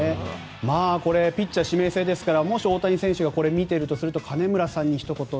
ピッチャー指名制ですからもし大谷選手が見ているとすると金村さんに、ひと言。